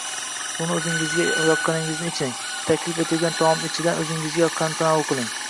Suvni o‘zingizga yoqqanini iching, taklif etilgan taomlar ichidan o‘zingizga yoqqanini tanovul qiling.